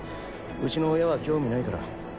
うちの親は興味ないから。